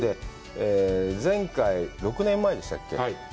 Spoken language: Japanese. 前回、６年前でしたっけ？